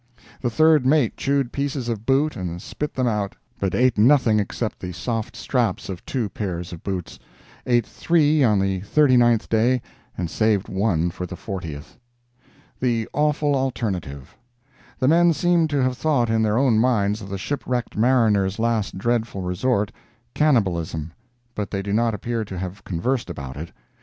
The third mate chewed pieces of boots and spit them out, but ate nothing except the soft straps of two pairs of boots—eat three on the thirty ninth day and saved one for the fortieth. THE AWFUL ALTERNATIVE The men seem to have thought in their own minds of the shipwrecked mariner's last dreadful resort—cannibalism; but they do not appear to have conversed about it.